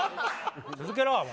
続けろ。